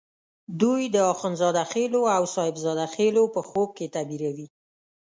دوی د اخند زاده خېلو او صاحب زاده خېلو په خوب کې تعبیروي.